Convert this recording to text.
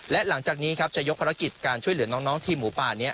และหลังจากนี้ครับจะยกภารกิจการช่วยเหลือน้องทีมหมูป่านี้